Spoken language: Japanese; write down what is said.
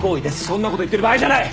そんな事言ってる場合じゃない！